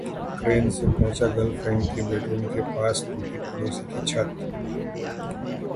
crane से पहुंचा girlfriend के बेडरूम के पास, टूटी पड़ोसी की छत